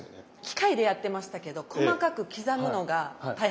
機械でやってましたけど細かく刻むのが大変です。